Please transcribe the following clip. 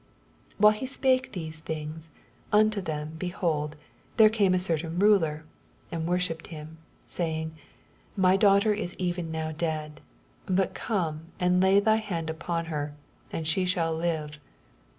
18 While he spake these things nnto them, behold, there oame a certain ruler, and worshipped him, saying. My daughter is even now dead : but oome and laj thy hand upon her, and she shall live.